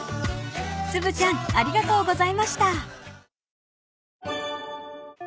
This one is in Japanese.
［ツブちゃんありがとうございました］